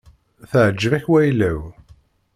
Teεǧeb-ak wayla-w?